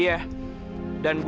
itu bukan bimbang